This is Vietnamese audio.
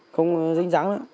không dính dáng nữa